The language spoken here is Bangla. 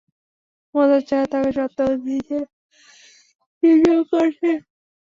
মাথায় ছাতা থাকা সত্ত্বেও ভিজে জীবজব করছেন।